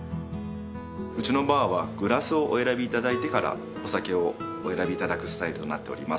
うちのバーはグラスをお選びいただいてからお酒をお選びいただくスタイルとなっております